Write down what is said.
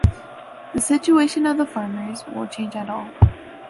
The situation of the farmers won’t change at all.